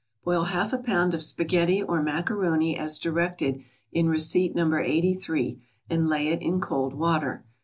= Boil half a pound of spaghetti or macaroni as directed in receipt No. 83, and lay it in cold water.